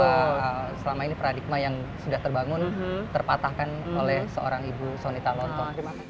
bahwa selama ini paradigma yang sudah terbangun terpatahkan oleh seorang ibu soni talontong